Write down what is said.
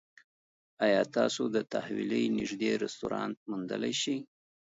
ایا تاسو د تحویلۍ نږدې رستورانت موندلی شئ؟